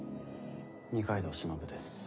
二階堂忍です。